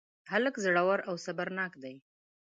هلک زړور او صبرناک دی.